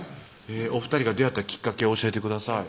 お２人が出会ったきっかけ教えてください